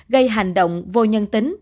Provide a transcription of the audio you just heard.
gây hành động vô nhân tính